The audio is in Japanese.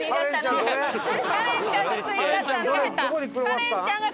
カレンちゃんどれ？